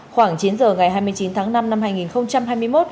khoảng chín giờ ngày hai mươi chín tháng năm năm hai nghìn chín